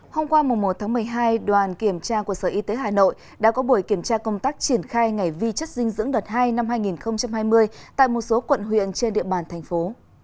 hôm qua một một mươi hai đoàn kiểm tra của sở y tế hà nội đã có buổi kiểm tra công tác triển khai ngày vi chất dinh dưỡng đợt hai năm hai nghìn hai mươi tại một số quận huyện trên địa bàn thành phố